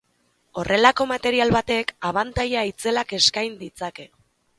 Horrelako material batek abantaila itzelak eskain ditzake.